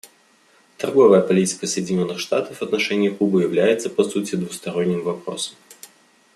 Торговая политика Соединенных Штатов в отношении Кубы является, по сути, двусторонним вопросом.